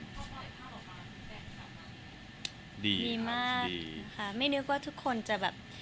ดีครับดีดีดีมากค่ะไม่นึกว่าทุกคนจะแบบ